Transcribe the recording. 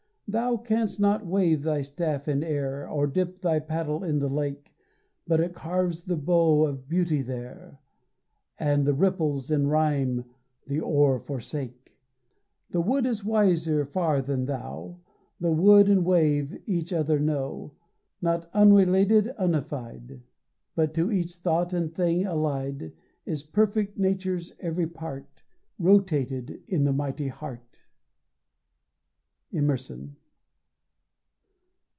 Thou canst not wave thy staff in air, Or dip thy paddle in the lake, But it carves the bow of beauty there, And the ripples in rhymes the oar forsake. The wood is wiser far than thou; The wood and wave each other know. Not unrelated, unaffied, But to each thought and thing allied, Is perfect Nature's every part, Rotated in the mighty heart. _Emerson.